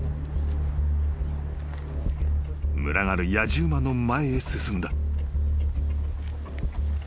［群がるやじ馬の前へ進んだ］